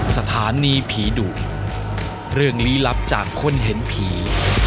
สถานีผีดุเรื่องลี้ลับจากคนเห็นผี